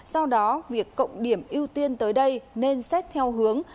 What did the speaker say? do đó việc cộng điểm ưu tiên tới đây nên xét theo hướng